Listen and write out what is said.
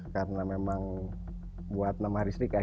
karena memang buat nama listrik agak susah